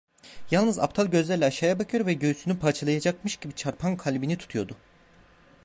Yalnız aptal gözlerle aşağıya bakıyor ve göğsünü parçalayacakmış gibi çarpan kalbini tutuyordu.